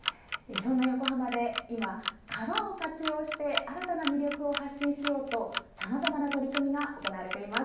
そんな横浜で今、川を活用して新たな魅力を発信しようとさまざまな取り組みが行われています。